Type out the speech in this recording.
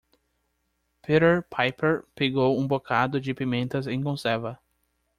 Peter Piper pegou um bocado de pimentas em conserva.